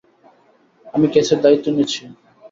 আমি কেসের দায়িত্ব নিচ্ছি।